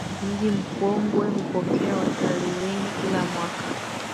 Mji Mkongwe hupokea watalii wengi kila mwaka